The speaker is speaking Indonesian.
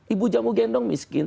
ibu jamu gendong miskin